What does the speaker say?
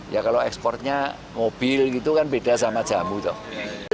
ya kalau ekspornya mobil gitu kan beda sama jamu toh